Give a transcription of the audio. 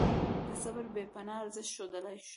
د صبر بې پناه ارزښت ښودل شوی دی.